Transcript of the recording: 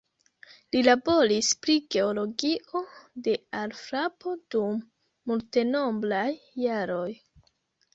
Li laboris pri geologio de alfrapo dum multenombraj jaroj.